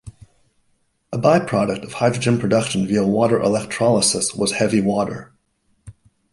A by-product of hydrogen production via water electrolysis was heavy water.